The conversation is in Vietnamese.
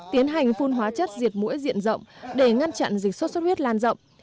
tiến hành phun hóa chất diệt mũi diện rộng để ngăn chặn dịch sốt xuất huyết lan rộng